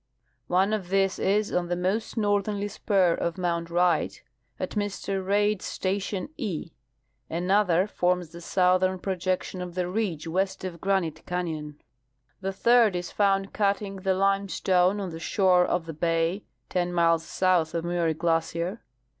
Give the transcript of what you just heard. One of these is on the most northerly spur of mount Wright, at Mr Reid's station E ; another forms the southern jn'ojection of the ridge west of Granite canyon ; the third is found cutting the limestone on the shore of the bay 10 miles south of Muir glacier.